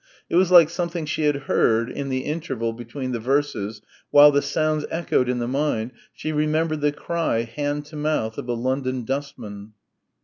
It was like something she had heard in the interval between the verses while the sounds echoed in the mind she remembered the cry, hand to mouth, of a London dustman.